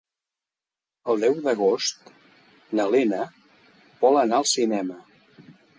El deu d'agost na Lena vol anar al cinema.